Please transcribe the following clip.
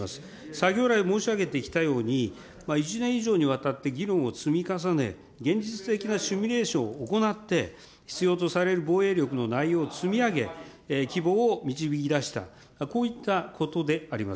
先ほど来申し上げてきたように、１年以上にわたって議論を積み重ね、現実的なシミュレーションを行って、必要とされる防衛力の内容を積み上げ、規模を導き出した、こういったことであります。